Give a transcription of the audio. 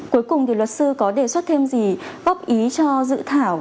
cuối cùng thì luật sư có đề xuất thêm gì góp ý cho dự thảo